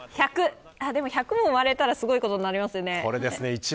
１００も生まれたらすごいことになりますよね。